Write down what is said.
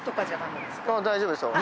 大丈夫ですよ。